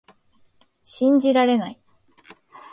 信じられない